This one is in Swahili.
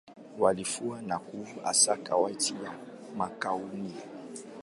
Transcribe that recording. Walikuwa na nguvu hasa kati ya makuhani.